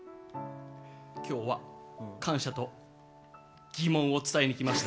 今日は感謝と疑問を伝えにきました。